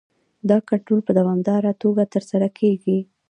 دا کنټرول په دوامداره توګه ترسره کیږي.